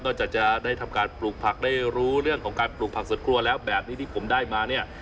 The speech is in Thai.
จากจะได้ทำการปลูกผักได้รู้เรื่องของการปลูกผักสวนครัวแล้วแบบนี้ที่ผมได้มาเนี่ย